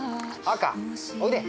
赤おいで。